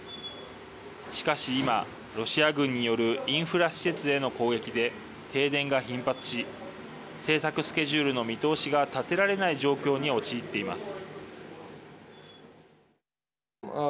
しかし今、ロシア軍によるインフラ施設への攻撃で停電が頻発し製作スケジュールの見通しが立てられない状況に陥っています。